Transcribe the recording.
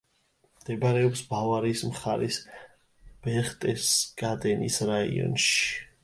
მდებარეობს ბავარიის მხარის ბერხტესგადენის რაიონში.